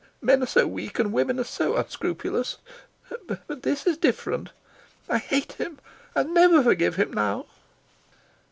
Men are so weak, and women are so unscrupulous. But this is different. I hate him. I'll never forgive him now."